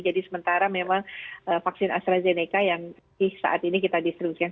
jadi sementara memang vaksin astrazeneca yang saat ini kita distribusikan